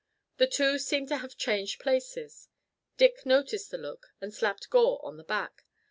The two seemed to have changed places. Dick noticed the look and slapped Gore on the back.